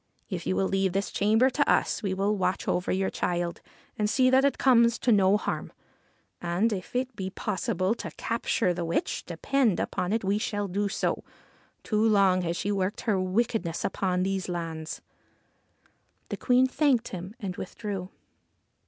If you will leave this chamber to us we will watch over your child and see that it comes to no harm. And, if it be possible to capture the witch, depend upon it we shall do so. Too long she has worked her wickedness upon these lands.' The Queen thanked him and withdrew.